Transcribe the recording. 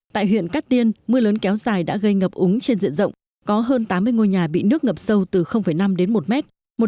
tại huyện cát tiên mưa lớn kéo dài đã gây ngập úng trên diện rộng có hơn tám mươi ngôi nhà bị nước ngập sâu từ năm đến một mét